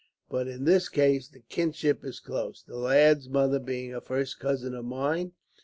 But in this case the kinship is close, the lad's mother being a first cousin of mine.